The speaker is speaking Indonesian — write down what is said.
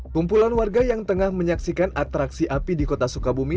kumpulan warga yang tengah menyaksikan atraksi api di kota sukabumi